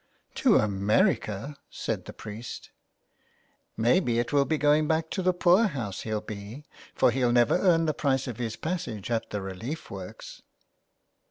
'' To America !" said the priest. " Maybe it will be going back to the poor house he'll be, for he'll never earn the price of his passage at the relief works."